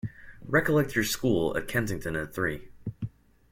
Recollect your school at Kensington at three.